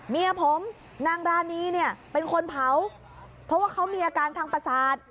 เมียผมนางรานีเนี่ยเป็นคนเผาเพราะว่าเขามีอาการทางประสาท